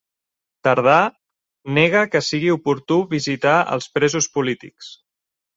Tardà nega que sigui oportú visitar els presos polítics